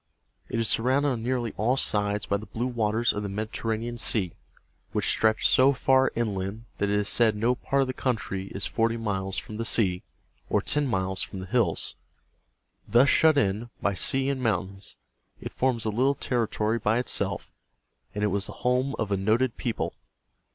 It is surrounded on nearly all sides by the blue waters of the Med it er ra´ne an Sea, which stretch so far inland that it is said no part of the country is forty miles from the sea, or ten miles from the hills. Thus shut in by sea and mountains, it forms a little territory by itself, and it was the home of a noted people.